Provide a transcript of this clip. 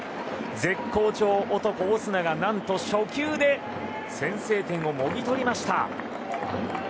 絶好調男、オスナが何と初球で先制点をもぎ取りました！